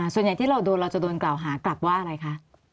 ส่วนใหญ่ที่เราโดนเราจะโดนกล่าวหากลับว่าอะไรคะ